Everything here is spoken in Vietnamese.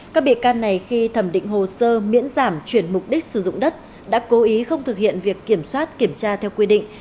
các bị can này khi thẩm định hồ sơ miễn giảm chuyển mục đích sử dụng đất đã cố ý không thực hiện việc kiểm soát kiểm tra theo quy định